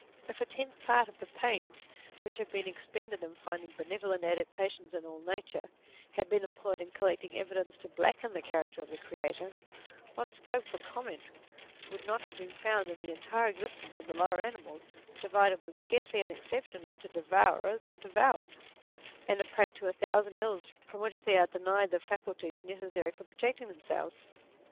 If a tenth part of the pains which have been expended in finding benevolent adaptations in all nature, had been employed in collecting evidence to blacken the character of the Creator, what scope for comment would not have been found in the entire existence of the lower animals, divided, with scarcely an exception, into devourers and devoured, and a prey to a thousand ills from which they are denied the faculties necessary for protecting themselves